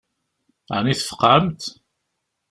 Ɛni tfeqɛemt?